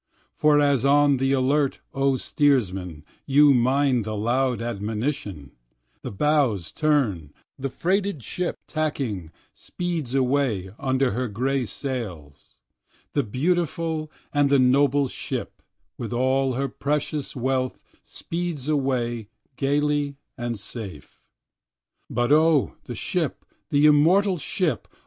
For, as on the alert, O steersman, you mind the bell's admonition, The bows turn, the freighted ship, tacking, speeds away under her grey sails; The beautiful and noble ship, with all her precious wealth, speeds away gaily and safe. 2. But O the ship, the immortal ship!